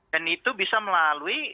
dan itu bisa melalui kementerian keuangan